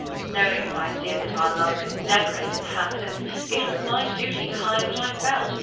Knowing as I did that our love could never end in happiness, it was my duty to hide what I felt.